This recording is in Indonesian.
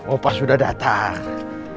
opa sudah datang